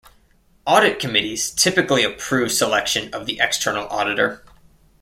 Audit committees typically approve selection of the external auditor.